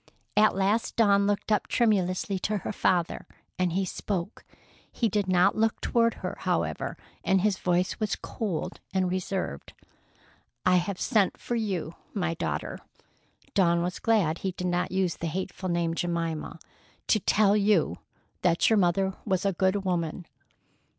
At last Dawn looked up tremulously to her father, and he spoke. He did not look toward her, however, and his voice was cold and reserved. "I have sent for you, my daughter—" Dawn was glad he did not use the hateful name "Jemima." "—to tell you that your mother was a good woman."